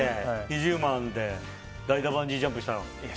２０万で代打バンジージャンプしたの。